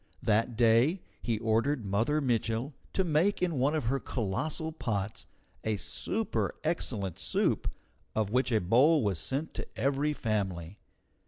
That day he ordered Mother Mitchel to make in one of her colossal pots a super excellent soup of which a bowl was sent to every family.